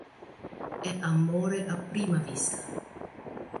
È amore a prima vista.